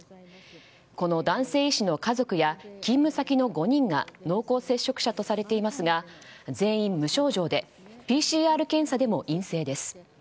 この男性医師の家族や勤務先の５人が濃厚接触者とされていますが全員無症状でＰＣＲ検査でも陰性です。